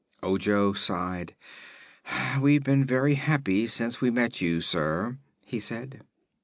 Ojo sighed. "We've been very happy since we met you, sir," he said.